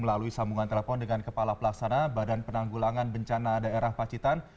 melalui sambungan telepon dengan kepala pelaksana badan penanggulangan bencana daerah pacitan